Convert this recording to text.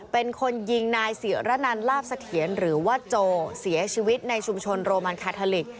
เป็นคนยิงนายศิระนันลาบเสถียรหรือว่าโจเสียชีวิตในชุมชนโรมันคาทาลิก